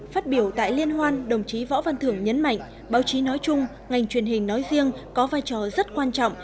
phát biểu tại liên hoan đồng chí võ văn thưởng nhấn mạnh báo chí nói chung ngành truyền hình nói riêng có vai trò rất quan trọng